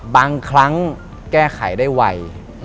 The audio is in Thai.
บางครั้งแก้ไขได้ไว